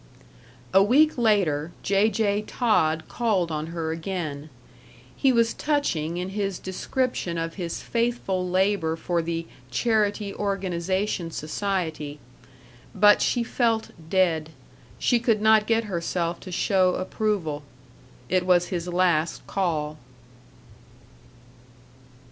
§ 6 A week later J. J. Todd called on her again. He was touching in his description of his faithful labor for the Charity Organization Society. But she felt dead; she could not get herself to show approval. It was his last call.